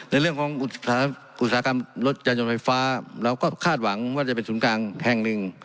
ในเรื่องของอุตสาหกรรมรถจานยนต์ไฟฟ้าเราก็คาดหวังว่าจะเป็นศูนย์กลางแห่งหนึ่ง